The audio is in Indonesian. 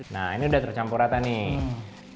nah ini udah tercampur rata nih